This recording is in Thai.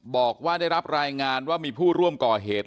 บอกว่าได้รับรายงานว่ามีผู้ร่วมก่อเหตุ